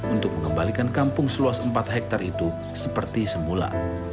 untuk mengembalikan kampung seluas empat hektare itu seperti semula